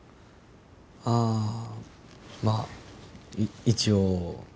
ああまあ一応。